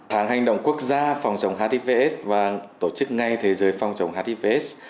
tháng hành động quốc gia phòng chống hivs và tổ chức ngay thế giới phòng chống hivs